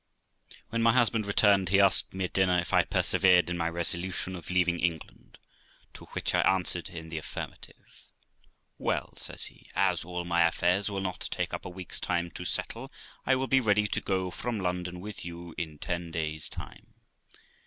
When my husband returned, he asked me at dinner if I persevered in my resolution of leaving England; to which I answered in the affirmative. Well', says he, 'as all my affairs will not take up a week's time to settle, 1 will be ready to go from London with you in ten days' time.'